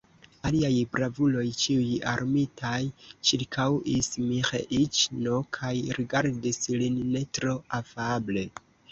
Aliaj bravuloj, ĉiuj armitaj, ĉirkaŭis Miĥeiĉ'n kaj rigardis lin ne tro afable.